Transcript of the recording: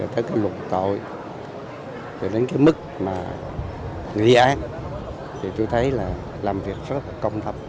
từ cái luật tội từ đến cái mức mà nghĩ ác thì tôi thấy là làm việc rất là công tập